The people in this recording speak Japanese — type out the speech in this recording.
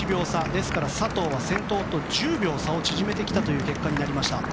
ですから佐藤は先頭と１０秒の差を縮めてきたという結果になりました。